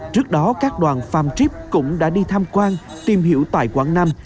trước đó các đoàn farm trip cũng đã đi tham quan tìm hiểu tại quảng nam